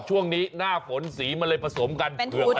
ช่วงนี้หน้าฝนสีมันเลยผสมกัน